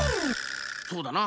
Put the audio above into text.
そうだな！